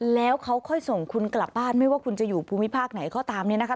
แล้วเขาค่อยส่งคุณกลับบ้านไม่ว่าคุณจะอยู่ภูมิภาคไหนก็ตามเนี่ยนะคะ